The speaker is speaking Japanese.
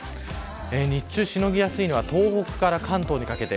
日中しのぎやすいのは東北から関東にかけて。